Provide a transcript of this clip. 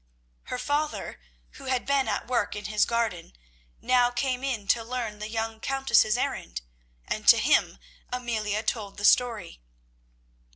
Her father, who had been at work in his garden, now came in to learn the young Countess's errand, and to him Amelia told the story.